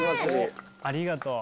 ありがとう。